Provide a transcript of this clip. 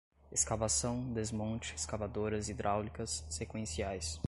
escavação, desmonte, escavadoras hidráulicas, sequenciais